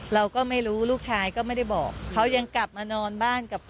เราก็ไม่รู้ลูกชายก็ไม่ได้บอกเขายังกลับมานอนบ้านกับพ่อ